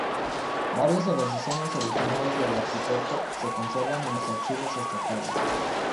Varios de los diseños originales del arquitecto se conservan en los archivos estatales.